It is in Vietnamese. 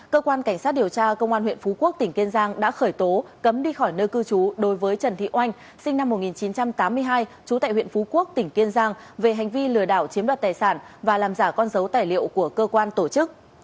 cơ quan cảnh sát điều tra công an huyện phú quốc tỉnh kiên giang đã khởi tố cấm đi khỏi nơi cư trú đối với trần thị oanh sinh năm một nghìn chín trăm tám mươi hai trú tại huyện phú quốc tỉnh kiên giang về hành vi lừa đảo chiếm đoạt tài sản và làm giả con dấu tài liệu của cơ quan tổ chức